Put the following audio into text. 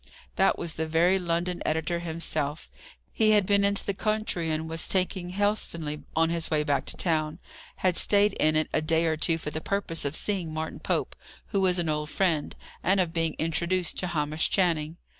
That was the very London editor himself. He had been into the country, and was taking Helstonleigh on his way back to town; had stayed in it a day or two for the purpose of seeing Martin Pope, who was an old friend, and of being introduced to Hamish Channing.